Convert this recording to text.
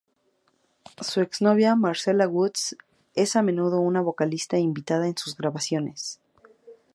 Su ex-novia, Marcella Woods, es a menudo una vocalista invitada en sus grabaciones.